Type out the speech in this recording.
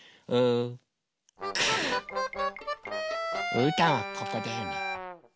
うーたんはここだよね。